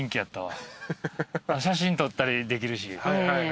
写真撮ったりできるし。